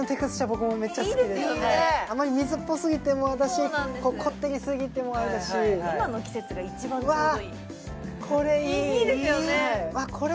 僕もメッチャ好きですあまり水っぽすぎてもあれだしこってりすぎてもあれだし今の季節が一番ちょうどいいわこれいいいいですよね